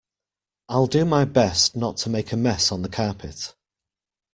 I'll do my best not to make a mess on the carpet.